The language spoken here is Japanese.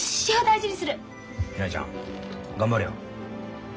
ひらりちゃん頑張れよ。